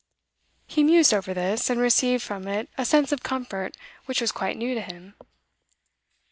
He mused over this, and received from it a sense of comfort which was quite new to him.